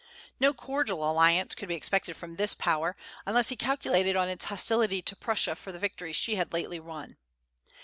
No cordial alliance could be expected from this Power, unless he calculated on its hostility to Prussia for the victories she had lately won.